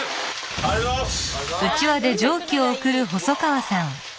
ありがとうございます。